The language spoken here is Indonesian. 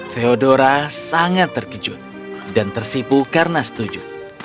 theodora sangat terkejut dan tersipu karena setuju